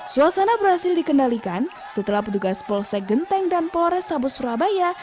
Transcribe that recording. suasana berhasil dikendalikan setelah petugas polsek genteng dan polores sabu surabaya